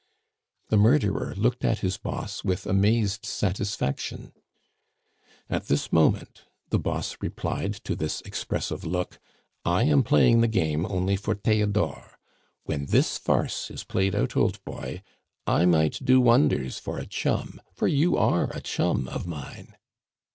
The murderer looked at his boss with amazed satisfaction. "At this moment," the boss replied to this expressive look, "I am playing the game only for Theodore. When this farce is played out, old boy, I might do wonders for a chum for you are a chum of mine."